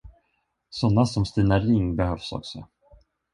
Såna som Stina Ring behövs också.